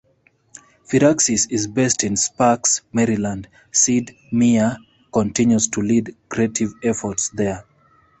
Firaxis is based in Sparks, Maryland; Sid Meier continues to lead creative efforts there.